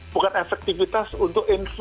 bukan efektifitas untuk influencing begitu mbak